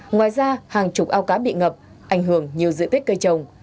ngoài ra hàng chục ao cá bị ngập ảnh hưởng nhiều diện tích cây trồng